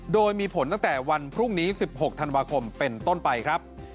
โดยมีผลตั้งแต่วันพรุ่งนี้๑๖ธันวาคมเป็นต้นไปครับ